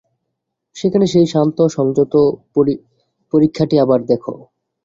সেখানে সেই শান্ত সংযত পক্ষীটিকে আবার দেখে।